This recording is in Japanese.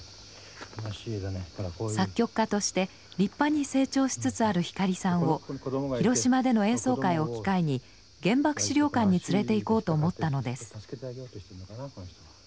作曲家として立派に成長しつつある光さんを広島での演奏会を機会に原爆資料館に連れて行こうと思ったのです。